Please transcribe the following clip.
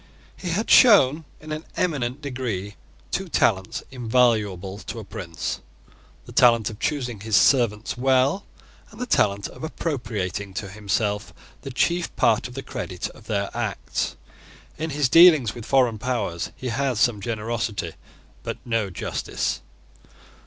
He had shown, in an eminent degree, two talents invaluable to a prince, the talent of choosing his servants well, and the talent of appropriating to himself the chief part of the credit of their acts. In his dealings with foreign powers he had some generosity, but no justice.